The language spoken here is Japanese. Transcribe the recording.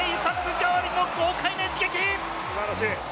代わりの豪快な一撃！